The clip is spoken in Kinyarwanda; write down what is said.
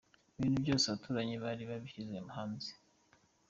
Ibintu byose abaturanyi bari babishyize hanze.